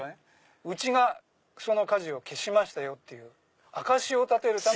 うちがその火事を消しましたよっていう証しを立てるため。